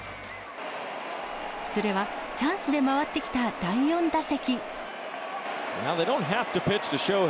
それはチャンスで回ってきた第４打席。